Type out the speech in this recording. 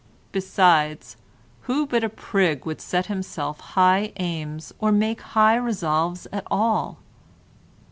Besides, who but a prig would set himself high aims, or make high resolves at all?